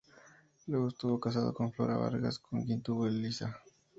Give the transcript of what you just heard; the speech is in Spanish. Luego estuvo casado con Flora Vargas, con quien tuvo a Elisa.